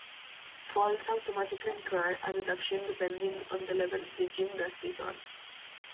Falls automatically incur a deduction depending on the level the gymnast is on.